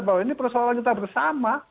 bahwa ini persoalan kita bersama